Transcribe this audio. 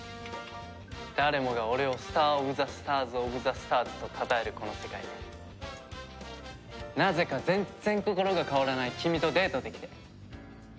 誰もが俺をスター・オブ・ザ・スターズオブ・ザ・スターズとたたえるこの世界でなぜか全っ然心が変わらない君とデートできて。